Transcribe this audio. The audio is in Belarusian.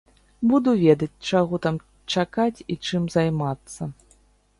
Буду ведаць, чаго там чакаць і чым займацца.